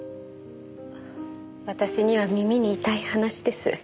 私には耳に痛い話です。